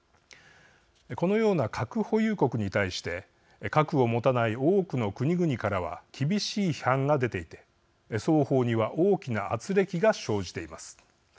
このような核保有国に対して核を持たない多くの国々からは厳しい批判が出ていて双方には大きなあつれきが生じています。